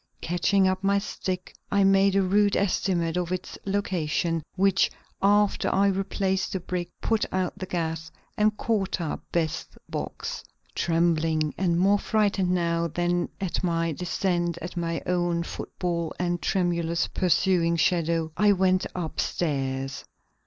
Catching up my stick I made a rude estimate of its location, after which I replaced the brick, put out the gas, and caught up Bess' box. Trembling, and more frightened now than at my descent at my own footfall and tremulous pursuing shadow, I went up stairs.